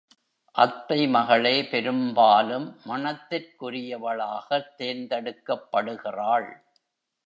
அத்தை மகளே பெரும்பாலும் மணத்திற்குரியவளாகத் தேர்ந்தெடுக்கப்படுகிறாள்.